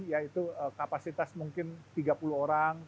yaitu kapasitas mungkin tiga puluh orang